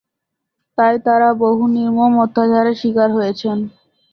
তাই তারা বহু নির্মম অত্যাচারের স্বীকার হয়েছেন।